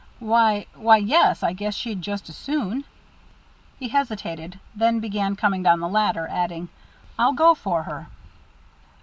"Why why, yes, I guess she'd just as soon." He hesitated, then began coming down the ladder, adding, "I'll go for her."